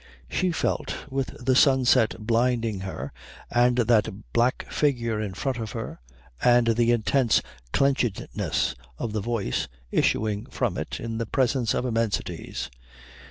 She felt, with the sunset blinding her and that black figure in front of her and the intense clenchedness of the voice issuing from it, in the presence of immensities.